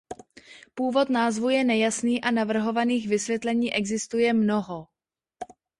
Původ názvu je nejasný a navrhovaných vysvětlení existuje mnoho.